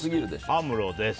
アムロです。